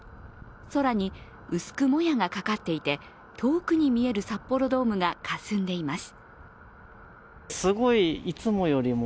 空に薄くもやがかかっていて遠くに見える札幌ドームがかすんでいます。